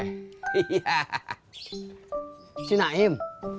musik si naim